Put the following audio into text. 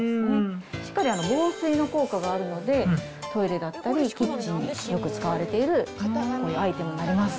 しっかり防水の効果があるので、トイレだったり、キッチンによく使われているアイテムになります。